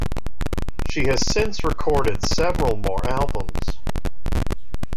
She has since recorded several more albums.